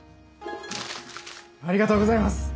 ありがとうございます！